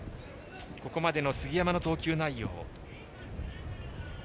ここまでの杉山の投球内容。